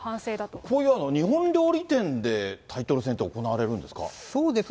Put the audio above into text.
こういう日本料理店でタイトル戦って行われるんですか。